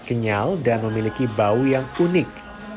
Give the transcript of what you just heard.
kenyal dan memiliki bau yang unik